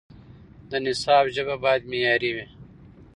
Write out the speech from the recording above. د نصاب ژبه باید معیاري وي.